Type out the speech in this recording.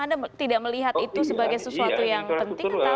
anda tidak melihat itu sebagai sesuatu yang penting